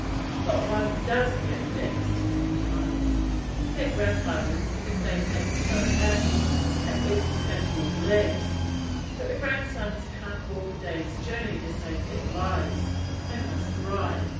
But one does get vexed sometimes. Their grandfathers, if they had "no backs," had at least good legs; but the grandsons can't walk a day's journey to save their lives: they must ride.